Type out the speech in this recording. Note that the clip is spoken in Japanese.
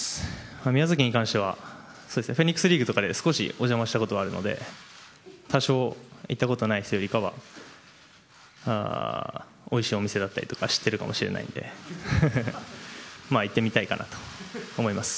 宮崎に関してはフェニックスリーグとかで少しお邪魔したことがあるので行ったことがない人よりはおいしいお店だったりを知っているかもしれないので行ってみたいかなと思います。